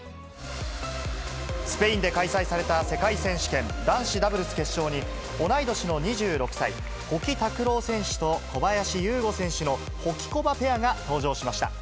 スペインで開催された世界選手権男子ダブルス決勝に、同い年の２６歳、保木卓朗選手と小林優吾選手のホキコバペアが登場しました。